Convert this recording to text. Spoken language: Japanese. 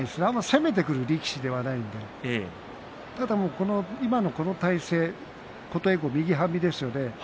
攻めてくる力士ではないので今のこの体勢琴恵光、右半身ですね。